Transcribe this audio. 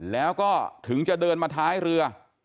แล้วก็ถึงจะเดินมาท้ายเรือ